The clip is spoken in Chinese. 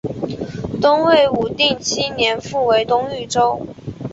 东魏武定七年复为东豫州。